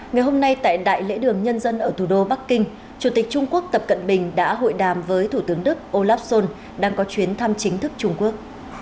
ngày hôm nay tại đại lễ đường nhân dân ở thủ đô bắc kinh chủ tịch trung quốc tập cận bình đã hội đàm với thủ tướng đức olaf schol đang có chuyến thăm chính thức trung quốc